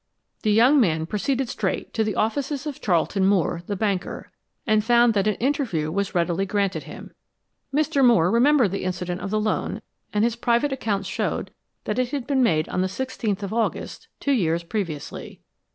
The young man proceeded straight to the offices of Charlton Moore, the banker, and found that an interview was readily granted him. Mr. Moore remembered the incident of the loan, and his private accounts showed that it had been made on the sixteenth of August two years previously.